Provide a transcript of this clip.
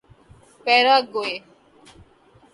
Paraguay